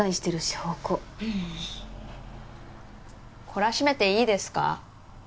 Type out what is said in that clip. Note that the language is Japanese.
懲らしめていいですか？